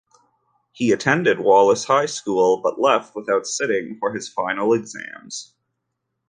He attended Wallace High School but left without sitting for his final exams.